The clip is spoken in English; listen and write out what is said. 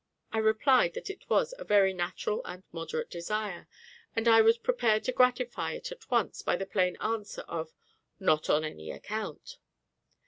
I replied that it was a very natural and moderate desire, and I was prepared to gratify it at once by the plain answer of _Not on any account.